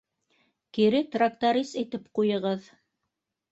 — Кире тракторист итеп ҡуйығыҙ.